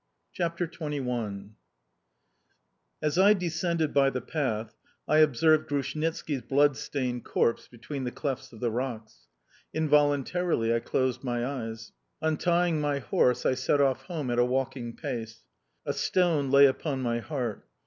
CHAPTER XXI AS I descended by the path, I observed Grushnitski's bloodstained corpse between the clefts of the rocks. Involuntarily, I closed my eyes. Untying my horse, I set off home at a walking pace. A stone lay upon my heart.